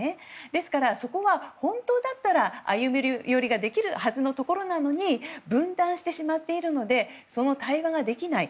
ですから、そこは本当だったら歩み寄りができるはずのところなのに分断してしまっているのでその対話ができない。